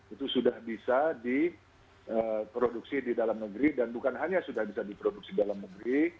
itu sudah bisa diproduksi di dalam negeri dan bukan hanya sudah bisa diproduksi dalam negeri